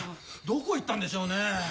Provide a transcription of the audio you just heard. どこ行ったんでしょうね？